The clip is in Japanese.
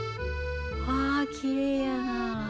あきれいやな。